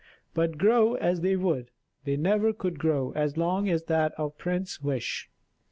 But grow as they would, they never could grow as long as that of Prince Wish.